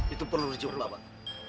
itu perlu diurus pak